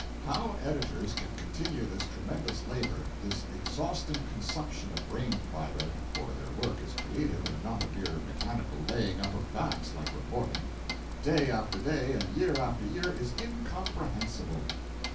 How editors can continue this tremendous labor, this exhausting consumption of brain fibre (for their work is creative, and not a mere mechanical laying up of facts, like reporting), day after day and year after year, is incomprehensible.